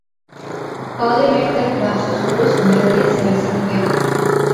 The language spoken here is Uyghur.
ئالىي مەكتەپ مەخسۇس كۇرس مەدەنىيەت سەۋىيەسىگە ئىگە.